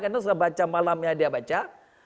karena sebaca malam yang dia baca